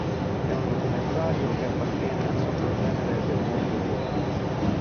È un documentario che appartiene al sottogenere del mondo movie.